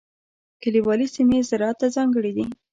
کلیوالي سیمې زراعت ته ځانګړې دي.